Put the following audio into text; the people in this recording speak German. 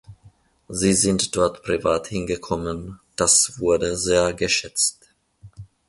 Sie sind dort privat hingekommen, das wurde sehr geschätzt.